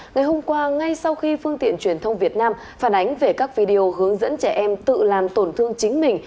ngày hôm qua ngay sau khi phương tiện truyền thông việt nam phản ánh về các video hướng dẫn trẻ em tự làm tổn thương chính mình